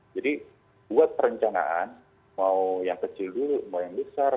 jadi buat perencanaan mau yang kecil dulu mau yang besar